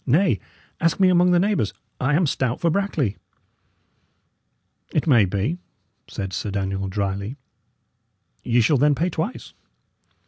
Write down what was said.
Nay; ask me among the neighbours, I am stout for Brackley." "It may be," said Sir Daniel, dryly. "Ye shall then pay twice."